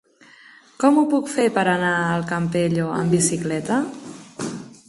Com ho puc fer per anar al Campello amb bicicleta?